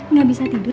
nggak bisa tidur